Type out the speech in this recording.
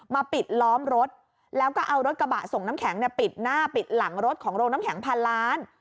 ปิดล้อมรถแล้วก็เอารถกระบะส่งน้ำแข็งเนี่ยปิดหน้าปิดหลังรถของโรงน้ำแข็งพันล้าน